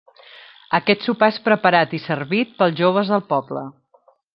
Aquest sopar és preparat i servit pels joves del poble.